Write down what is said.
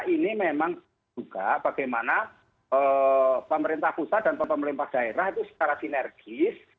ini memang juga bagaimana pemerintah pusat dan pemerintah daerah itu secara sinergis